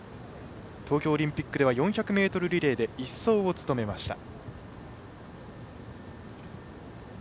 東京オリンピックでは４００ｍリレーで１走を務めました。